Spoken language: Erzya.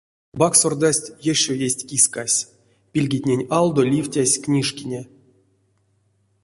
Баксордась ещё весть кискась, пильгтнень алдо ливтясь книжкине.